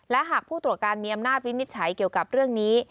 และหากผู้ตรวจการมีอำนาจวินิจฉัยเกี่ยวกับเรื่องนี้